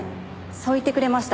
そう言ってくれました。